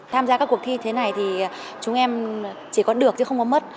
tham gia các cuộc thi thế này thì chúng em chỉ có được chứ không có mất